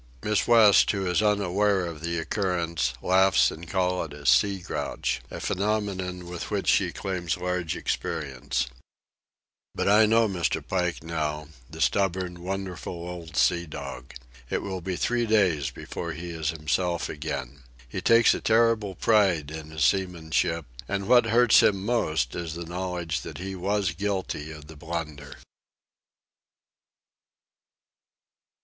Miss West who is unaware of the occurrence, laughs and calls it a "sea grouch"—a phenomenon with which she claims large experience. But I know Mr. Pike now—the stubborn, wonderful old sea dog. It will be three days before he is himself again. He takes a terrible pride in his seamanship, and what hurts him most is the knowledge that he was guilty of the blunder.